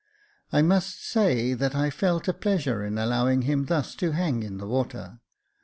I must say that I felt a pleasure in allowing him thus to hang in the water.